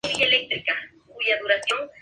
En esta misión reclamó una victoria.